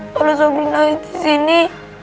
kalau sabri naik disini